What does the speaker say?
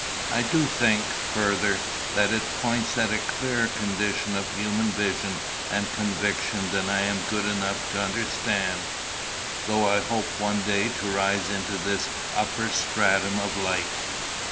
I do think, further, that it points at a clearer condition of human vision and conviction than I am good enough to understand; though I hope one day to rise into this upper stratum of light.